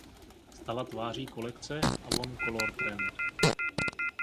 Stala tváří kolekce Avon Color Trend.